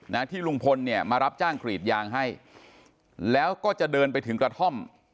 นะที่ลุงพลเนี่ยมารับจ้างกรีดยางให้แล้วก็จะเดินไปถึงกระท่อม